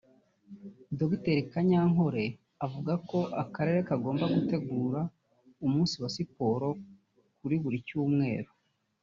Dr Kanyankore avuga ko akarere kagomba gutegura umunsi wa siporo kuri bose buri cyumweru